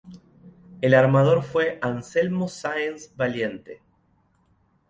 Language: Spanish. El armador fue Anselmo Sáenz Valiente.